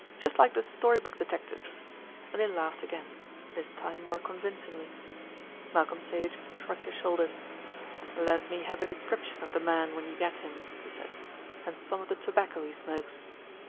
It's just like the story book detectives," and he laughed again, this time more convincingly. Malcolm Sage shrugged his shoulders. "Let me have a description of the man when you get him," he said, "and some of the tobacco he smokes.